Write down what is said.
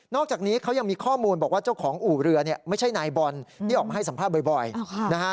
อกจากนี้เขายังมีข้อมูลบอกว่าเจ้าของอู่เรือเนี่ยไม่ใช่นายบอลที่ออกมาให้สัมภาษณ์บ่อยนะฮะ